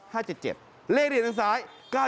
เลขที่เห็นทางซ้าย๙๗๔